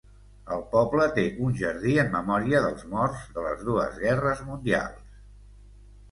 El poble té un jardí en memòria dels morts de les dues guerres mundials.